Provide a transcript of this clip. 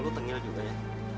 lo tengil juga ya